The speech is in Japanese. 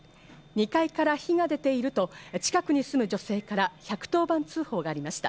２階から火が出ていると近くに住む女性から１１０番通報がありました。